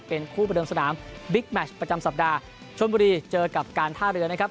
เป็นคู่ประเดิมสนามบิ๊กแมชประจำสัปดาห์ชนบุรีเจอกับการท่าเรือนะครับ